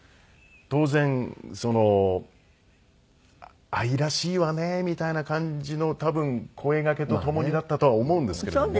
当然愛らしいわねみたいな感じの多分声掛けと共にだったとは思うんですけれども。